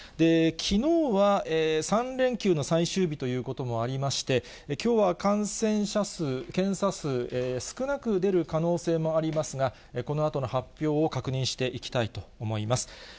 きのうは３連休の最終日ということもありまして、きょうは感染者数、検査数、少なく出る可能性もありますが、このあとの発表を確認していきたいと思います。